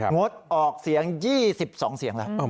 งดออกเสียง๒๒เสียงแล้ว